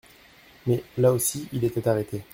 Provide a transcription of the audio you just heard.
Mais, là aussi, il était arrêté.